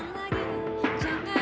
mana yang disalah yang nyata